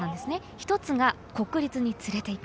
一つが国立に連れて行く。